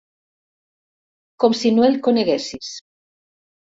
Com si no el coneguessis.